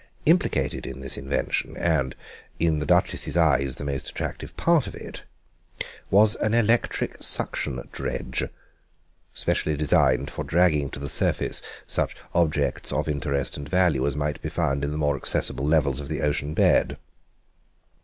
Implicated in this invention (and, in the Duchess's eyes, the most attractive part of it) was an electric suction dredge, specially designed for dragging to the surface such objects of interest and value as might be found in the more accessible levels of the ocean bed.